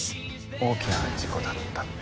大きな事故だったって。